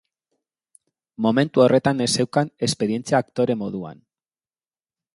Momentu horretan ez zeukan esperientzia aktore moduan.